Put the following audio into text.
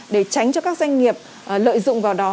để tránh cho các doanh nghiệp lợi dụng vào đó